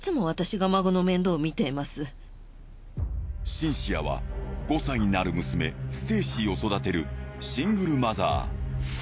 シンシアは５歳になる娘ステーシーを育てるシングルマザー。